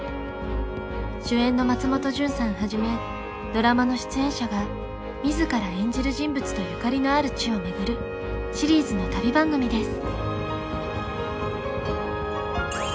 主演の松本潤さんはじめドラマの出演者が自ら演じる人物とゆかりのある地を巡るシリーズの旅番組です。